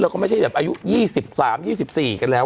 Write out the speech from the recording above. แล้วก็ไม่ใช่แบบอายุ๒๓๒๔กันแล้ว